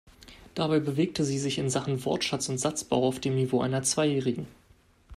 Dabei bewegte sie sich in Sachen Wortschatz und Satzbau auf dem Niveau einer Zweijährigen.